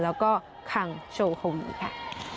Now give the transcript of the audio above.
แล้วก็คังโชคมนี้ค่ะ